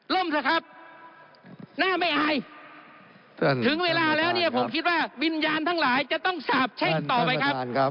เถอะครับหน้าไม่อายถึงเวลาแล้วเนี่ยผมคิดว่าวิญญาณทั้งหลายจะต้องสาบแช่งต่อไปครับ